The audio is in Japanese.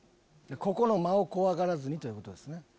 ここの間を怖がらずにということですね。